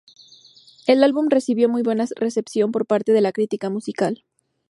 El álbum recibió muy buena recepción por parte de la crítica musical.